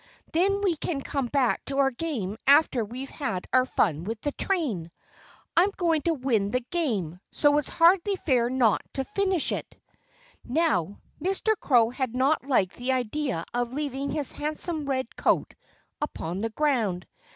Then we can come back to our game after we've had our fun with the train. I'm going to win the game, so it's hardly fair not to finish it." Now, Mr. Crow had not liked the idea of leaving his handsome red coat upon the ground.